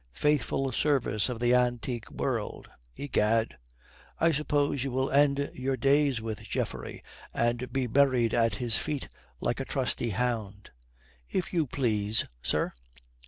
'Faithful service of the antique world,' egad. I suppose you will end your days with Geoffrey, and be buried at his feet like a trusty hound." "If you please, sir."